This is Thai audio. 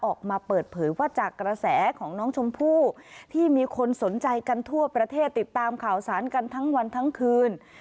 ออกมาเปิดเผยว่าจากกระแสของน้องชมพู่ที่มีคนสนใจกันทั่วประเทศติดตามข่าวสารกันทั้งวันทั้งคืน